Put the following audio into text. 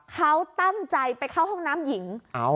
เขาตั้งใจไปเข้าห้องน้ำหญิง